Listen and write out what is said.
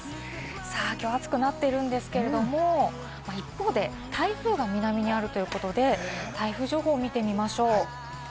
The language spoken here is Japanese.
きょう暑くなっているんですけれども、一方で、台風が南にあるということで、台風情報を見てみましょう。